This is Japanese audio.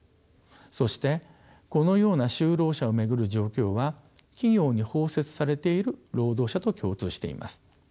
そしてこのような就労者を巡る状況は企業に包摂されている労働者と共通しています。